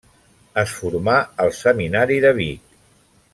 Es formà al Seminari de Vic.